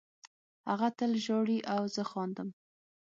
هغه تل ژاړي او زه خاندم